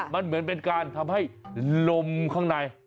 มันเหมือนเป็นการทำให้ลมข้างใน